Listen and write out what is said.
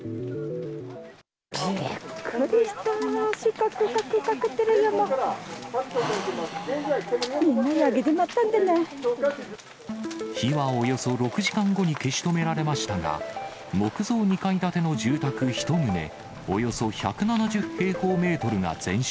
はぁ、火はおよそ６時間後に消し止められましたが、木造２階建ての住宅１棟、およそ１７０平方メートルが全焼。